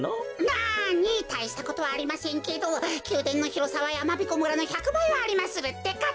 なにたいしたことはありませんけどきゅうでんのひろさはやまびこ村の１００ばいはありまするってか。